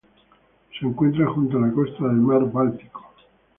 Se encuentra junto a la costa del mar Báltico.